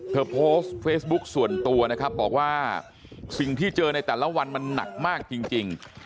โพสต์เฟซบุ๊คส่วนตัวนะครับบอกว่าสิ่งที่เจอในแต่ละวันมันหนักมากจริง